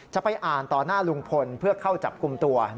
จะไปอ่านต่อหน้าลุงพลเพื่อเข้าจับกลุ่มตัว